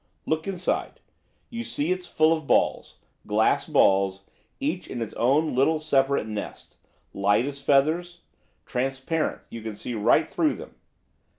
Look inside, you see it's full of balls, glass balls, each in its own little separate nest; light as feathers; transparent, you can see right through them.